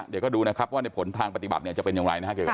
เดี๋ยวก็ดูนะครับว่าในผลทางปฏิบัติเนี่ยจะเป็นอย่างไรนะครับ